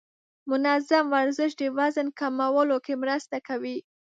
منظم ورزش د وزن کمولو کې مرسته کوي.